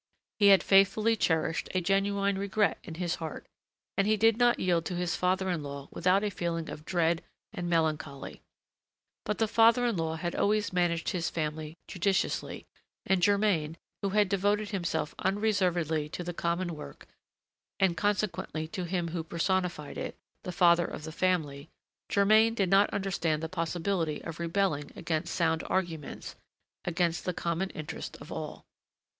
He had faithfully cherished a genuine regret in his heart, and he did not yield to his father in law without a feeling of dread and melancholy; but the father in law had always managed his family judiciously, and Germain, who had devoted himself unreservedly to the common work, and consequently to him who personified it, the father of the family, Germain did not understand the possibility of rebelling against sound arguments, against the common interest of all.